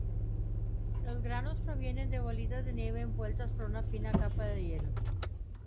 Los granos provienen de bolitas de nieve envueltas por una fina capa de hielo.